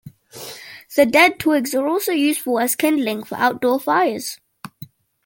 The dead twigs are also useful as kindling for outdoor fires.